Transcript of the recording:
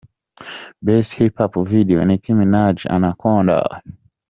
Best Hip-Hop Video: Nicki Minaj, "Anaconda".